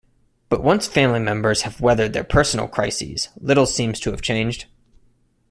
But once family members have weathered their personal crises, little seems to have changed.